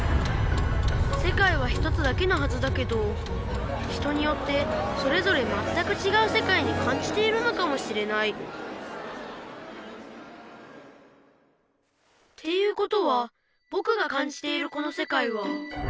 せかいは１つだけのはずだけど人によってそれぞれまったくちがうせかいにかんじているのかもしれないっていうことはぼくがかんじているこのせかいは。